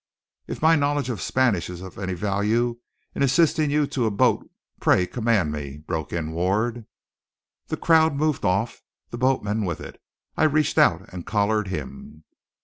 "If my knowledge of Spanish is of any value in assisting you to a boat, pray command me," broke in Ward. The crowd moved off, the boatman with it. I reached out and collared him.